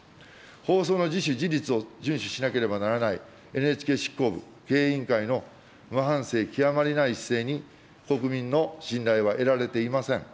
放送の自主、自律を順守しなければならないＮＨＫ執行部、経営委員会の無反省極まりない姿勢に国民の信頼は得られていません。